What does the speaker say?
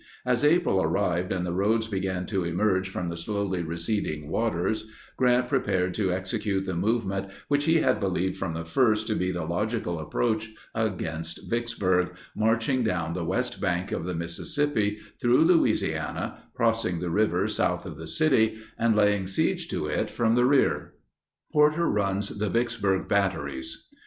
As April arrived and the roads began to emerge from the slowly receding waters, Grant prepared to execute the movement which he had believed from the first to be the logical approach against Vicksburg—marching down the west bank of the Mississippi through Louisiana, crossing the river south of the city, and laying siege to it from the rear. PORTER RUNS THE VICKSBURG BATTERIES.